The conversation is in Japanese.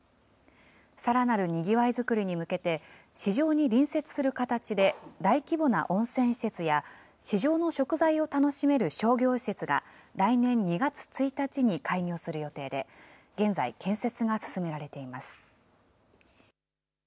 さらなるにぎわいづくりに向けて、市場に隣接する形で大規模な温泉施設や、市場の食材を楽しめる商業施設が、来年２月１日に開業する予定で、現在、建設が進められています。